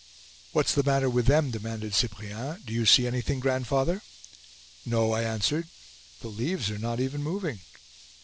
"What's the matter with them?" demanded Cyprien. "Do you see anything, grandfather?" "No," I answered. "The leaves are not even moving."